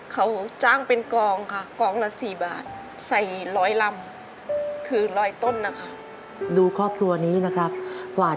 เขาจ้างเป็นกองค่ะกองละสี่บาท